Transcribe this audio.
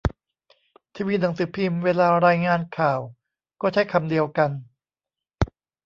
ทีวีหนังสือพิมพ์เวลารายงานข่าวก็ใช้คำเดียวกัน